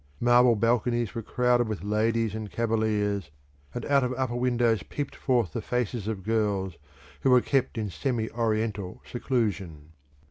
Marble balconies were crowded with ladies and cavaliers, and out of upper windows peeped forth the faces of girls, who were kept in semi Oriental seclusion.